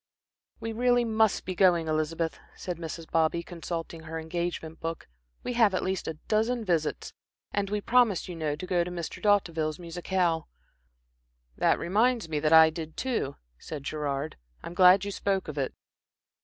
"We really must be going, Elizabeth," said Mrs. Bobby, consulting her engagement book. "We have at least a dozen visits, and we promised, you know, to go to Mr. D'Hauteville's musicale." "That reminds me that I did too," said Gerard. "I'm glad you spoke of it."